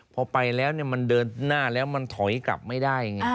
พอไปแล้วมันเดินหน้าแล้วมันถอยกลับไม่ได้ไง